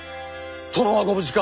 殿はご無事か。